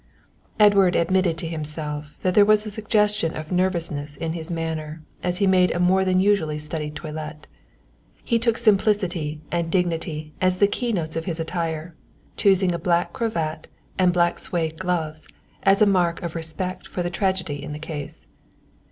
Edward admitted to himself that there was a suggestion of nervousness in his manner as he made a more than usually studied toilet. He took simplicity and dignity as the keynotes of his attire, choosing a black cravat and black suède gloves as a mark of respect for the tragedy in the case.